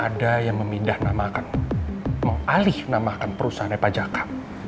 ada yang memindah namakan mengalih namakan perusahaan pajaka